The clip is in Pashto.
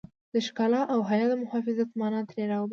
د ښکلا او حيا د محافظت مانا ترې را وباسي.